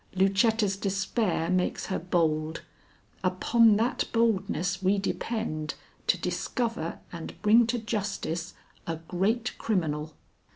Lucetta's despair makes her bold; upon that boldness we depend to discover and bring to justice a great criminal."